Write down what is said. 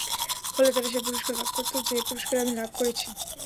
ফলে তারা সে পুরস্কার লাভ করত, যে পুরস্কার আমি লাভ করেছি।